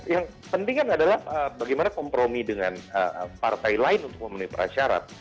yang penting kan adalah bagaimana kompromi dengan partai lain untuk memenuhi persyarat